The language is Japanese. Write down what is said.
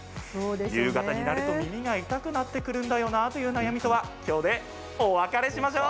夕方になると耳が痛くなってくるんだよなあという悩みとは今日で、お別れしましょう。